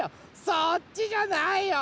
そっちじゃないよ。